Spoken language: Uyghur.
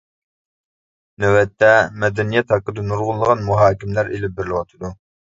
نۆۋەتتە، مەدەنىيەت ھەققىدە نۇرغۇنلىغان مۇھاكىمىلەر ئېلىپ بېرىلىۋاتىدۇ.